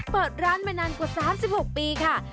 เปิดร้านมานานกว่า๓๖ปีค่ะ